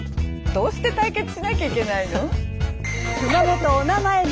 どうして対決しなきゃいけないの？